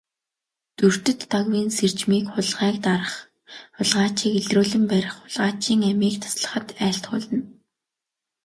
Дүртэд Дагвын сэржмийг хулгайг дарах, хулгайчийг илрүүлэн барих, хулгайчийн амийг таслахад айлтгуулна.